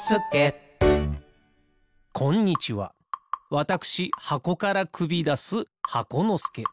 わたくしはこからくびだす箱のすけ。